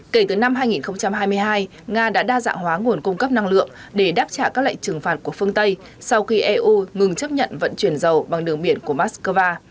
kể từ năm hai nghìn hai mươi hai nga đã đa dạng hóa nguồn cung cấp năng lượng để đáp trả các lệnh trừng phạt của phương tây sau khi eu ngừng chấp nhận vận chuyển dầu bằng đường biển của moscow